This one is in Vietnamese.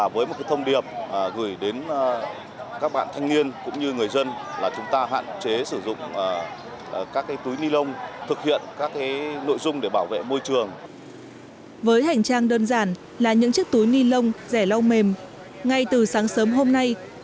với hành trang đơn giản là những chiếc túi ni lông rẻ lau mềm ngay từ sáng sớm hôm nay